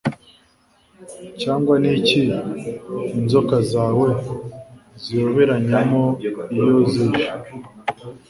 Cyangwa niki l inzoka zawe ziyoberanyamo iyo zije